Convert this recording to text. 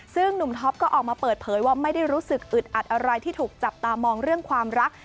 ซึ่งหนุ่มท็อปก็ออกมาเปิดเผยว่าไม่ได้รู้สึกอึดอัดอะไรที่ถูกจับตามองเรื่องความรัก